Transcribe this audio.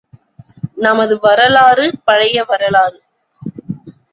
நமது வரலாறு, பழைய வரலாறு.